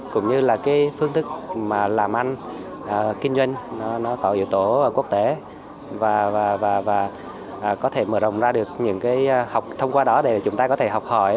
cũng như là cái phương thức mà làm ăn kinh doanh nó có yếu tố quốc tế và có thể mở rộng ra được những cái học thông qua đó để chúng ta có thể học hỏi